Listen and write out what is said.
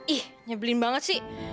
ih nyebelin banget sih